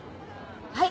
はい！